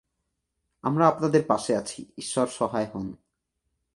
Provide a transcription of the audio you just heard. আমরা আপনাদের পাশে আছি, ঈশ্বর সহায় হোন।'